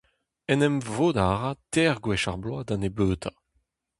En em vodañ a ra teir gwech ar bloaz da nebeutañ.